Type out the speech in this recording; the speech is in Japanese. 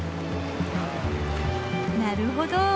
なるほど。